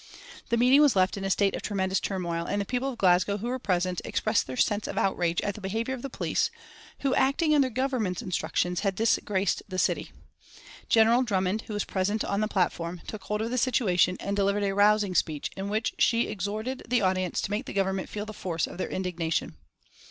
The meeting was left in a state of tremendous turmoil, and the people of Glasgow who were present expressed their sense of outrage at the behavior of the police, who, acting under the Government's instructions, had so disgraced the city. General Drummond, who was present on the platform, took hold of the situation and delivered a rousing speech, in which she exhorted the audience to make the Government feel the force of their indignation.